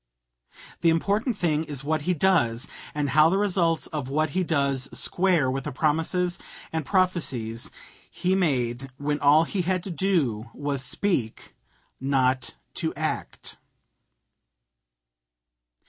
The important thing is what he does, and how the results of what he does square with the promises and prophecies he made when all he had to do was to speak, not to act.